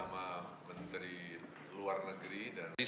bersama menteri luar negeri dan